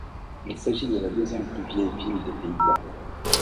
Il s'agit de la deuxième plus vieille ville des Pays-Bas.